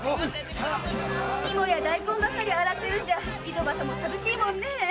芋や大根ばかり洗ってるんじゃ井戸端も寂しいもんね。